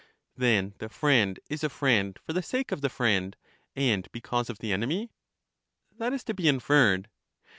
Then the friend is a friend for the sake of the friend, and because of the enemy? That is to be inferred.